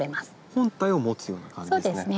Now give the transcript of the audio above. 本体を持つような感じですね。